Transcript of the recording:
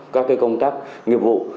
các công tác nghiệp vụ